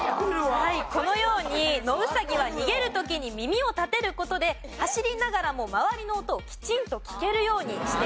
はいこのようにノウサギは逃げる時に耳を立てる事で走りながらも周りの音をきちんと聞けるようにしているんです。